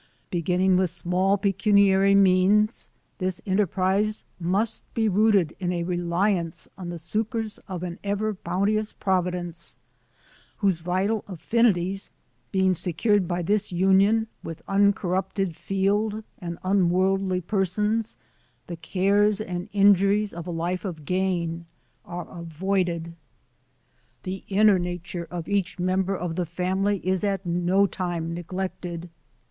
Be ginning with small pecuniary means, this enter prise must be rooted in a reliance on the succors of an ever bounteous Providence, whose vital affinities being secured by this union with uncor rupted field and unworldly persons, the cares and injuries of a life of gain are avoided. "The inner nature of each member of the Family is at no time neglected.